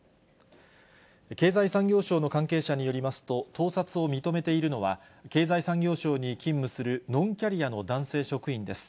経済産業省の関係者によりますと、盗撮を認めているのは、経済産業省に勤務するノンキャリアの男性職員です。